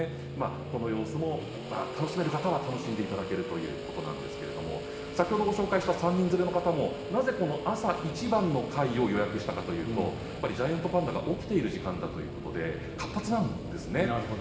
この様子も楽しめる方は楽しんでいただけるということですが先ほどご紹介した３人連れの方もなぜこの朝一番の回を予約したかというとジャイアントパンダが起きている時間だということで活発なんですね。